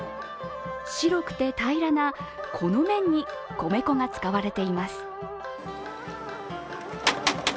白くて平らなこの麺に米粉が使われています。